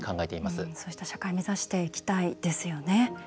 そうした社会目指していきたいですよね。